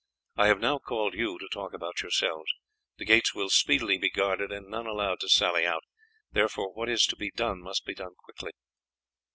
I have now called you to talk about yourselves. The gates will speedily be guarded and none allowed to sally out, therefore what is to be done must be done quickly."